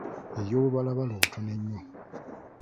Ye y'obubalabala obutono ennyo.